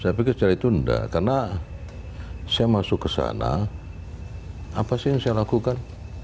saya pikir secara itu enggak karena saya masuk ke sana apa sih yang saya lakukan